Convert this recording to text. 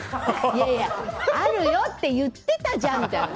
いやいや、あるよって言っていたじゃんみたいな。